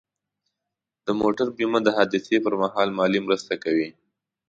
د موټر بیمه د حادثې پر مهال مالي مرسته کوي.